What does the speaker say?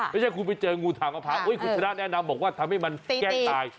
ไม่ใช่คุณไปเจองูทางมะพร้าวคุณชนะแนะนำบอกว่าทำให้มันแกล้งตาย